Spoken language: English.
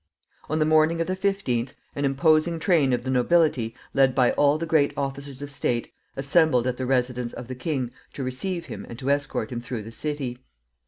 On the morning of the 15th, an imposing train of the nobility, led by all the great officers of state, assembled at the residence of the king to receive him and to escort him through the city.